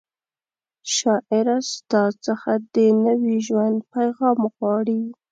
شاعره ستا څخه د نوي ژوند پیغام غواړي